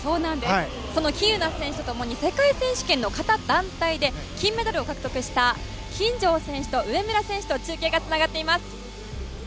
その喜友名選手と共に世界選手権の形団体で金メダルを獲得した金城選手と上村選手と中継がつながっています。